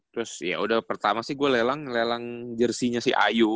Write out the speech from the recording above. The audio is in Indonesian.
terus ya udah pertama sih gua nelang jersinya si ayu